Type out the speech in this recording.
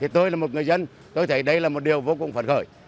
tôi là một người dân tôi thấy đây là một điều vô cùng phấn khởi